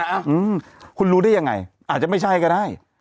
อ่ะคุณรู้ได้ยังไงอาจจะไม่ใช่ก็ได้